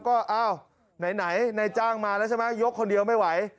ก็อ้าวไหนนายจ้างมาแล้วใช่ไหมยกคนเดียวไม่ไหว